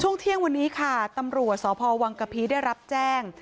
เที่ยงวันนี้ค่ะตำรวจสพวังกะพีได้รับแจ้ง